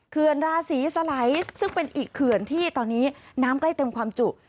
คืนลาศรีสลัยซึ่งเป็นอีกคืนที่ตอนนี้น้ำใกล้เต็มความจุ